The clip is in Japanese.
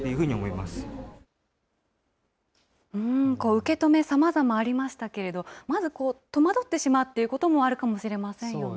受け止め、さまざまありましたけれど、まず戸惑ってしまうということもあるかもしれませんよね。